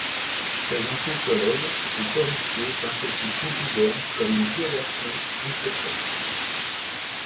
Ses anciens collègues sont horrifiés par ce qu'ils considèrent comme une violation du secret.